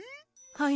はい。